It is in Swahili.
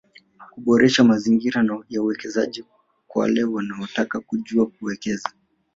Kuboresha mazingira ya uwekezaji kwa wale wanaotaka kuja kuwekeza